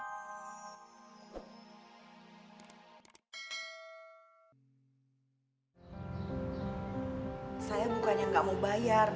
saya bukannya nggak mau bayar